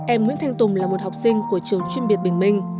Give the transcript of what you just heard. em nguyễn thanh tùng là một học sinh của trường chuyên biệt bình minh